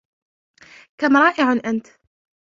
كم رائع أنتَ!